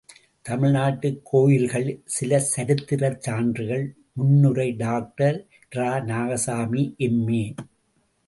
தமிழ்நாட்டுக் கோயில்கள் சில சரித்திரச் சான்றுகள் முன்னுரை டாக்டர் இரா, நாகசாமி எம்.ஏ.